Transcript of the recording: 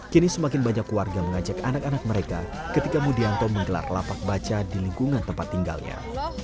kini semakin banyak warga mengajak anak anak mereka ketika mudianto menggelar lapak baca di lingkungan tempat tinggalnya